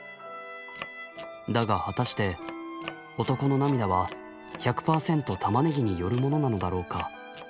だが果たして男の涙は１００％タマネギによるものなのだろうか。